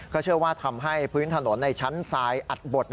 เชื่อว่าทำให้พื้นถนนในชั้นทรายอัดบด